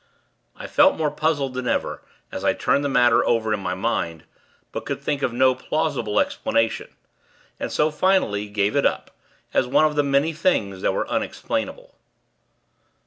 I felt more puzzled, than ever, as I turned the matter over in my mind; but could think of no plausible explanation; and so, finally, gave it up, as one of the many things that were unexplainable.